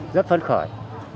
rất phấn khởi